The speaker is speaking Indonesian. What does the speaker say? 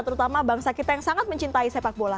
terutama bangsa kita yang sangat mencintai sepak bola